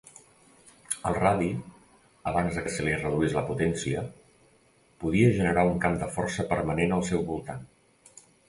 El radi, abans de que se li reduís la potència, podia generar un camp de força permanent al seu voltant.